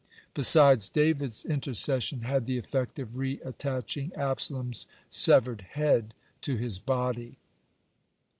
Besides, David's intercession had the effect of re attaching Absalom's severed head to his body.